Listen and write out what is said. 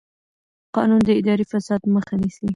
قانون د اداري فساد مخه نیسي.